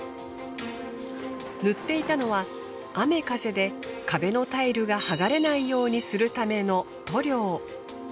塗っていたのは雨風で壁のタイルが剥がれないようにするための塗料。